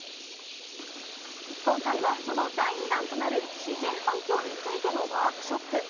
今回はその第２弾となる、自然環境についてのワークショップ。